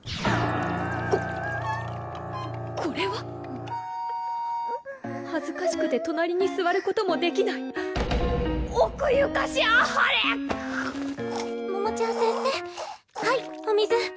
ここれは⁉恥ずかしくて隣に座ることもできない桃ちゃん先生はいお水。